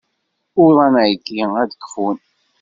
Uḍan ugin ad kfun.